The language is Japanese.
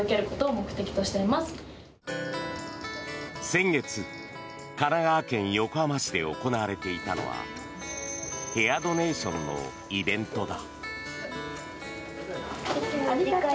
先月、神奈川県横浜市で行われていたのはヘアドネーションのイベントだ。